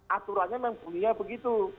aturannya memang punya begitu